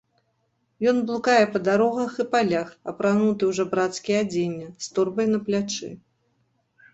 Ён блукае па дарогах і палях, апрануты з жабрацкія адзення, з торбай на плячы.